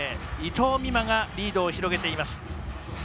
伊藤美誠がリードを広げています。